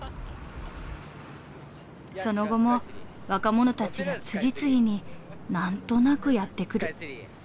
その後も若者たちが次々に何となくやって来る。